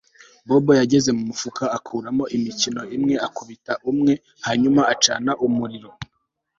Bobo yageze mu mufuka akuramo imikino imwe akubita umwe hanyuma acana umuriro